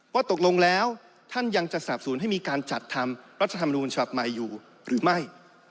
ว่าตกลงแล้วท่านยังจะสาบศูนย์ให้มีการจัดทำรัฐธรรมนูญฉบับใหม่อยู่หรือไม่